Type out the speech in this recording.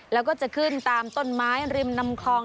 แล้วก็จะขึ้นตามต้นไม้ริมนำคลอง